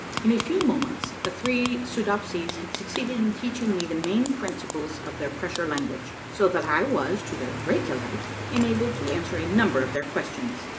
In a few moments the three Soodopsies had succeeded in teaching me the main principles of their pres sure language, so that I was, to their great delight, enabled to answer a number of their questions.